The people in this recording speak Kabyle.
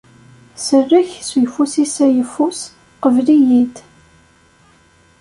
Sellek s ufus-is ayeffus, qbel-iyi-d!